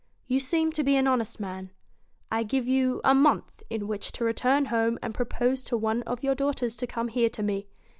You seem to be an honest man. I give you a month in which to return home and propose to one of your daughters to come here to me.